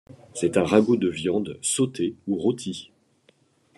C'est un ragoût de viande sautée ou rôtie.